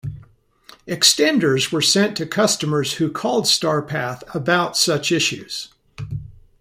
Extenders were sent to customers who called Starpath about such issues.